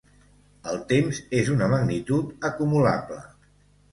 El temps és una magnitud acumulable.